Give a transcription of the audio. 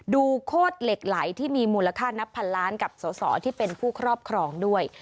โคตรเหล็กไหลที่มีมูลค่านับพันล้านกับสอสอที่เป็นผู้ครอบครองด้วย